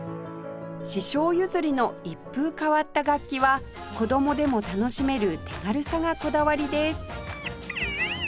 師匠譲りの一風変わった楽器は子供でも楽しめる手軽さがこだわりです